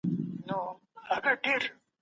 تدريس د يو مضمون تشريح ده؛ خو تعليم څو اړخيز دی.